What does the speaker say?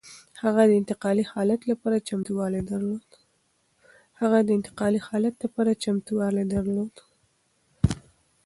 هغه د انتقالي حالت لپاره چمتووالی درلود.